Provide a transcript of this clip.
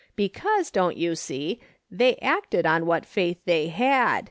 Because, don't you see, tliey acted on what faith they had.